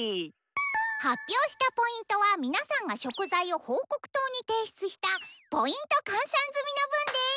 発表したＰは皆さんが食材を報告筒に提出したＰ換算済みの分です！